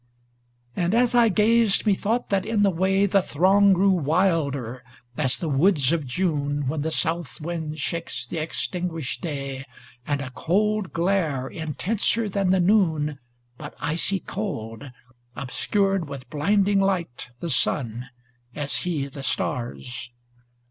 And, as I gazed, methought that in the way The throng grew wilder, as the woods of June When the south wind shakes the extin guished day; And a cold glare, intenser than the noon But icy cold, obscured with blinding light The sun, as he the stars.